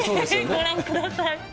ご覧ください。